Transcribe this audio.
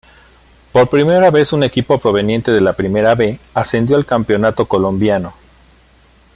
Por primera vez un equipo proveniente de la Primera B ascendió al Campeonato colombiano.